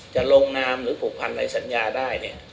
จะลงนามหรือผูกพันธุ์ในสัญญาธุ์ได้